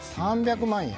３００万円。